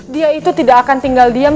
dia itu tidak akan tinggal diam